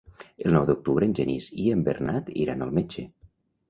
El nou d'octubre en Genís i en Bernat iran al metge.